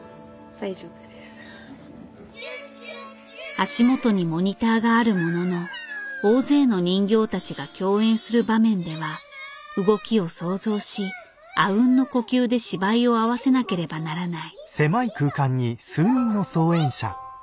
足元にモニターがあるものの大勢の人形たちが共演する場面では動きを想像しあうんの呼吸で芝居を合わせなければならない。